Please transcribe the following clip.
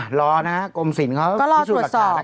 อ่ะรอนะครับกรมศิลป์เขาพิสูจน์หลักษาระกัน